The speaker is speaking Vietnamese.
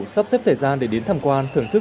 sắp xếp thời gian để đến tham quan thưởng thức